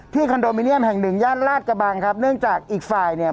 คอนโดมิเนียมแห่งหนึ่งย่านลาดกระบังครับเนื่องจากอีกฝ่ายเนี่ย